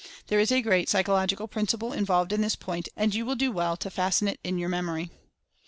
There is a great psychological principle in volved in this point, and you will do well to fasten it in your memory.